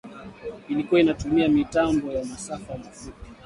ilikua inatumia mitambo ya masafa mafupi ,